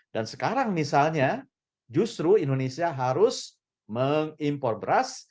dan sekarang misalnya justru indonesia harus mengimpor beras